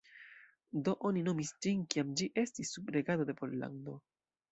Do oni nomis ĝin, kiam ĝi estis sub regado de Pollando.